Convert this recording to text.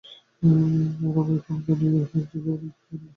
আমরা এখনও জানি না কীভাবে ওকে মুক্ত করব।